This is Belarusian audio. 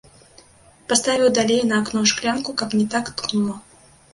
Паставіў далей на акно шклянку, каб не так тхнула.